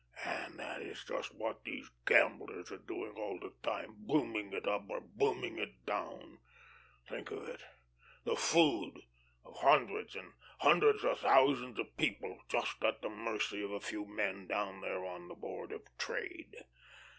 And that is just what these gamblers are doing all the time, booming it up or booming it down. Think of it, the food of hundreds and hundreds of thousands of people just at the mercy of a few men down there on the Board of Trade.